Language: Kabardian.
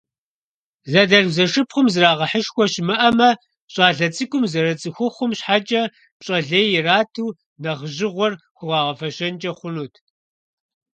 Зэдэлъху-зэшыпхъум зэрагъэхьышхуэ щымыӀэмэ, щӀалэ цӀыкӀум зэрыцӀыхухъум щхьэкӀэ пщӀэ лей ирату нэхъыжьыгъуэр хуагъэфэщэнкӀэ хъунут.